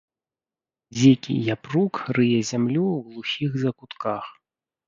Дзікі япрук рые зямлю ў глухіх закутках.